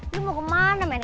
lo mau kemana men